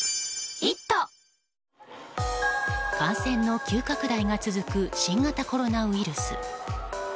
感染の急拡大が続く新型コロナウイルス。